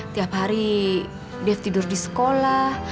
tiap hari dia tidur di sekolah